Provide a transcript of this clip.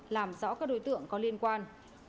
làm rõ các đối tượng có liên quan